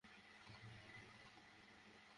কথা ঠিক বলেছিস।